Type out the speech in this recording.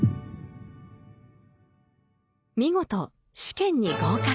見事試験に合格。